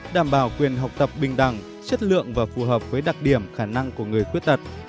đảm bảo quyền học tập bình đẳng chất lượng và phù hợp với đặc điểm khả năng của người khuyết tật